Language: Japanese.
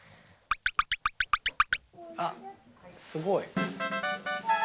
あっすごい。